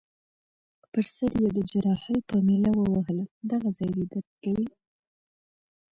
پر سر يي د جراحۍ په میله ووهلم: دغه ځای دي درد کوي؟